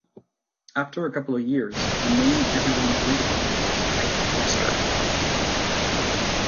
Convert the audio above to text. After a couple of years, the name everyone agreed upon was hypercoaster.